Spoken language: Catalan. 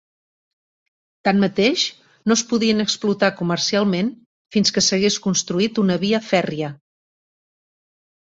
Tanmateix, no es podien explotar comercialment fins que s'hagués construït una via fèrria.